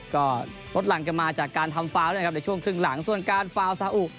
ก็ลดหลังกันมาจากการทำฟาวนะครับในช่วงครึ่งหลังส่วนการฟาวซาอุ